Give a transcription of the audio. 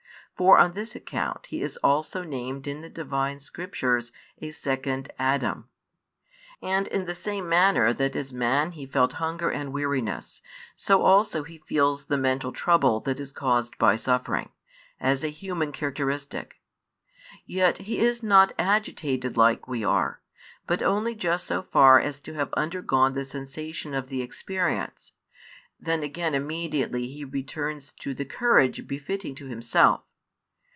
For on this account He is also named in the Divine Scriptures a second Adam. And in the same manner that as Man He felt hunger and weariness, so also He feels the mental trouble that is caused by suffering, as a human characteristic. Yet He is not agitated like we are, but only just so far as to have undergone the sensation of the experience; then again immediately He returns to the courage befitting to Himself.